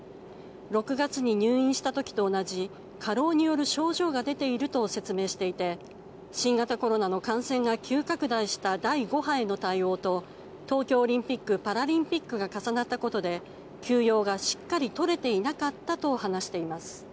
６月に入院した時と同じ過労による症状が出ていると説明していて新型コロナの感染が急拡大した第５波への対応と東京オリンピック・パラリンピックが重なったことで休養がとれていなかったと話しています。